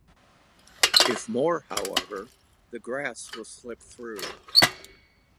If more however, the grass will slip through.